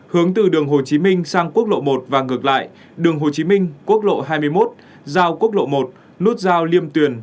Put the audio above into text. hướng từ đường hồ chí minh sang quốc lộ một và ngược lại đường hồ chí minh quốc lộ hai mươi một giao quốc lộ một nút giao liêm tuyền